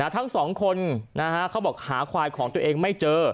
ทั้งสองคนเขาบอกหาควายของตัวเองไม่เจอ